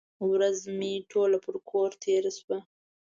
ورځ مې ټوله په کور تېره شوه.